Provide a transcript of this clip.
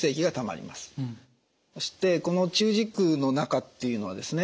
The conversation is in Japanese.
そしてこの中耳腔の中っていうのはですね